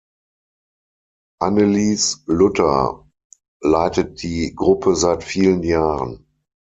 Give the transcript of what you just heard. Annelies Luther leitet die Gruppe seit vielen Jahren.